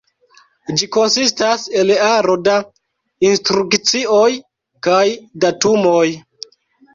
Ĝi konsistas el aro da instrukcioj kaj datumoj.